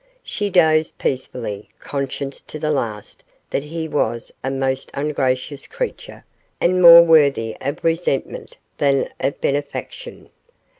She dozed peacefully, conscious to the last that he was a most ungracious creature and more worthy of resentment than of benefaction.